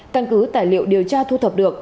căn cứ tài liệu điều tra thu thập được